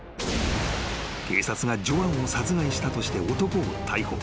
［警察がジョアンを殺害したとして男を逮捕］